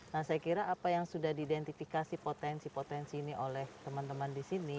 nah saya kira apa yang sudah diidentifikasi potensi potensi ini oleh teman teman di sini